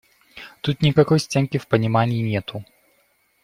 Тут никакой стенки в понимании нету.